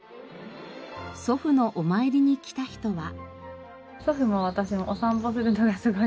祖父のお参りに来た人は。